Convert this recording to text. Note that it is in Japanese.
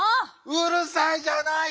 「うるさい」じゃない！